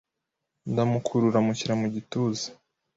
ndamukurura mushyira mu gituza